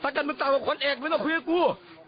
ถ้าเกิดมึงตามมาคนเอกมึงต้องคุยกับกู